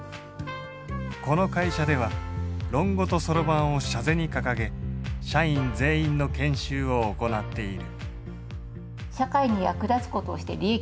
この会社では「論語と算盤」を社是に掲げ社員全員の研修を行っている。